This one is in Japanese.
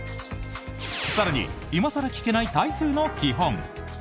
更に今さら聞けない台風の基本。